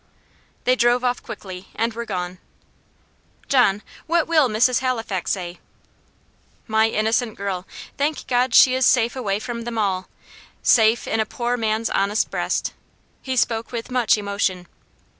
They drove off quickly, and were gone. "John, what will Mrs. Halifax say?" "My innocent girl! thank God she is safe away from them all safe in a poor man's honest breast." He spoke with much emotion.